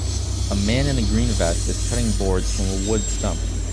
A man in a green vest is cutting boards from a wood stump